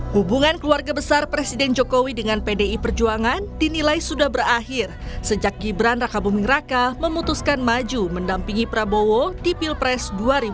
hubungan keluarga besar presiden jokowi dengan pdi perjuangan dinilai sudah berakhir sejak gibran raka buming raka memutuskan maju mendampingi prabowo di pilpres dua ribu dua puluh